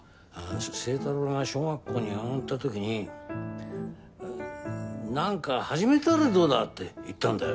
星太郎が小学校に上がった時になんか始めたらどうだ？って言ったんだよ。